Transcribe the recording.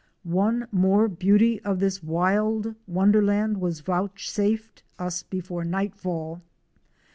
One more beauty of this wild wonderland was vouchsafed us before night fell.